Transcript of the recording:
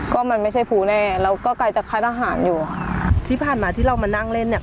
ก็มันไม่ใช่ภูแน่เราก็ไกลจากค่ายทหารอยู่ค่ะที่ผ่านมาที่เรามานั่งเล่นเนี่ย